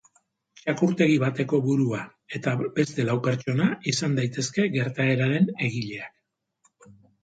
Txakurtegi bateko burua eta beste lau pertsona izan daitezke gertaeraren egileak.